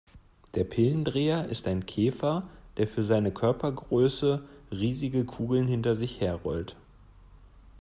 Der Pillendreher ist ein Käfer, der für seine Körpergröße riesige Kugeln hinter sich her rollt.